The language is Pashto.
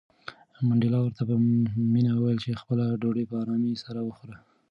منډېلا ورته په مینه وویل چې خپله ډوډۍ په آرامۍ سره وخوره.